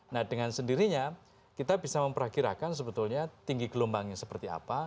nah dengan sendirinya kita bisa memperkirakan sebetulnya tinggi gelombangnya seperti apa